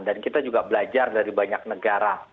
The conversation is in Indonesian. dan kita juga belajar dari banyak negara